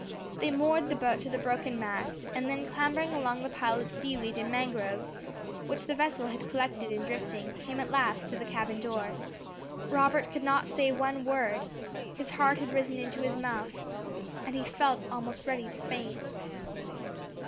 They moored the boat to the broken mast, and then clambering along the pile of sea weed and mangroves, which the vessel had collected in drifting, came at last to the cabin door. Robert could not say one word; his heart had risen into his mouth, and he felt almost ready to faint.